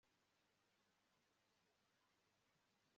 abakuru ba gilihadi ni ko kujya gushaka yefute mu gihugu cya tobi